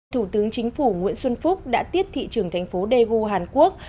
thủ tướng chính phủ nguyễn xuân phúc đã tiết thị trường thành phố daegu hàn quốc